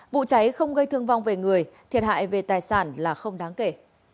vụ cháy không gây thương vong về người thiệt hại về tài sản là không đáng kể